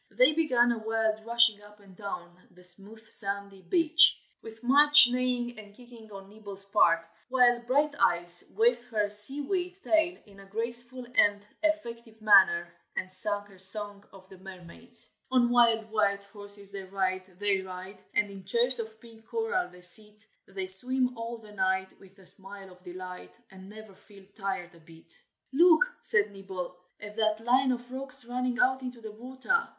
Then began a wild rushing up and down the smooth sandy beach, with much neighing and kicking on Nibble's part, while Brighteyes waved her seaweed tail in a graceful and effective manner, and sang her song of the mermaids. "On wild white horses they ride, they ride, And in chairs of pink coral they sit, They swim all the night, with a smile of delight, And never feel tired a bit." "Look!" said Nibble, "at that line of rocks running out into the water.